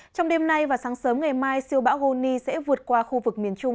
trong đêm nay và sáng sớm ngày mai siêu bão goni sẽ vượt qua khu vực miền trung